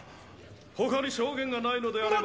他に証言がないのであれば